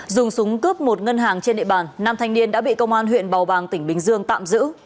dùng súng cướp một ngân hàng trên địa bàn nam thanh niên đã bị công an huyện bào bàng tỉnh bình dương tạm giữ